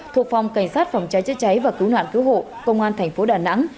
thuộc phòng cảnh sát phòng cháy chữa cháy và cứu nạn cứu hộ công an thành phố đà nẵng